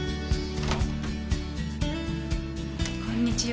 こんにちは。